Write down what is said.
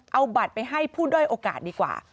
เอาบัตรไปให้ผู้ด้อยโอกาสดีกว่า